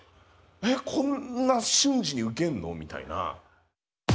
えっこんな瞬時にウケんの？みたいな。